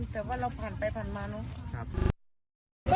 แต่ว่าเราผ่านไปผ่านมาเนอะ